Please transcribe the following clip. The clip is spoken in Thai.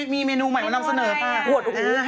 มีเมนูใหม่มานำเสนอค่ะ